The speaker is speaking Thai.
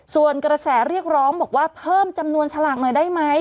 ส่วนกระแสเรียกร้องบอกว่าเพิ่มจำนวนฉลากหน่อยได้ไหม